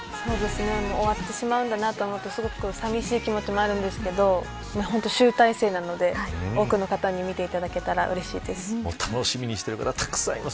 終わってしまうんだなと思うとすごく寂しい気持ちもありますが集大成なので多くの方に見ていただけたら楽しみにしている方たくさんいます。